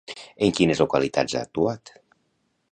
En quines localitats ha actuat?